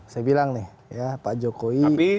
saya bilang nih ya pak jokowi